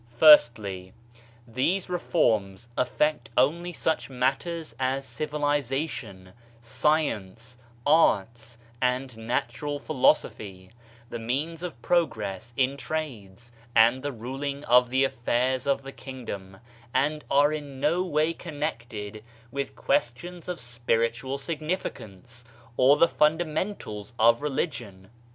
Firstly, these reforms affect only such matters as civilization, science, arts and natural philosophy, the means of progress in trades and the ruling of the affairs of the kingdom, and are in no way con nected with questions of spiritual significance or the fundamentals of religion.